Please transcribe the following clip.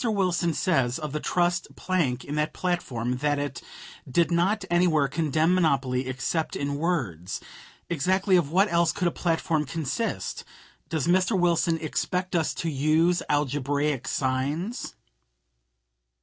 Wilson says of the trust plank in that platform that it "did not anywhere condemn monopoly except in words." Exactly of what else could a platform consist? Does Mr. Wilson expect us to use algebraic signs?